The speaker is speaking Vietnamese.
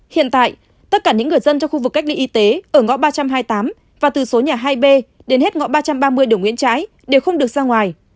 hiện tại tất cả những người dân trong khu vực cách ly y tế ở ngõ ba trăm hai mươi tám và từ số nhà hai b đến hết ngõ ba trăm ba mươi đường nguyễn trãi đều không được ra ngoài